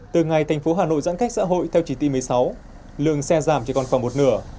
từ ngày thành phố hà nội giãn cách xã hội theo chỉ t một mươi sáu lượng xe giảm chỉ còn khoảng một nửa